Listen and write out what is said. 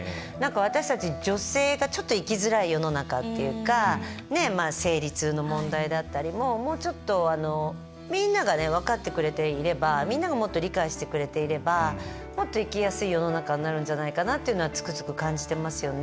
私たち女性がちょっと生きづらい世の中っていうか生理痛の問題だったりももうちょっとみんなが分かってくれていればみんながもっと理解してくれていればもっと生きやすい世の中になるんじゃないかなというのはつくづく感じてますよね。